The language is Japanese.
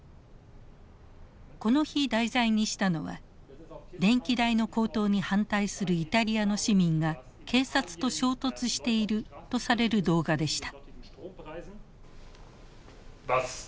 この日題材にしたのは電気代の高騰に反対するイタリアの市民が警察と衝突しているとされる動画でした。